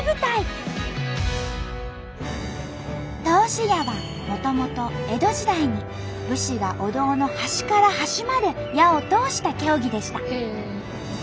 通し矢はもともと江戸時代に武士がお堂の端から端まで矢を通した競技でした。